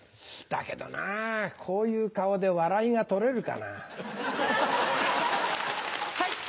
だけどなぁこういう顔で笑いが取れるかなぁ？